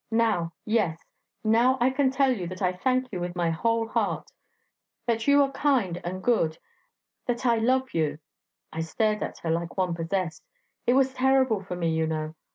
'Now ... yes, now I can tell you that I thank you with my whole heart ... that you are kind and good that I love you!' I stare at her, like one possessed; it was terrible for me, you know.